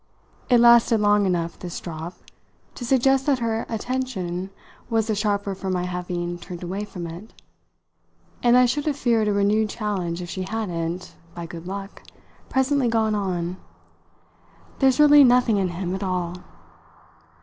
It lasted long enough, this drop, to suggest that her attention was the sharper for my having turned away from it, and I should have feared a renewed challenge if she hadn't, by good luck, presently gone on: "There's really nothing in him at all!"